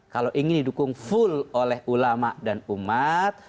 kalau ingin didukung full oleh ulama dan umat